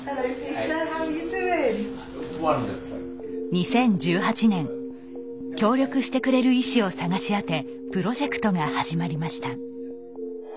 ２０１８年協力してくれる医師を探し当てプロジェクトが始まりました。